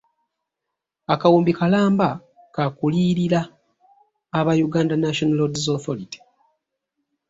Akawumbi kalamba ka kuliyirira aba Uganda National Roads Authority.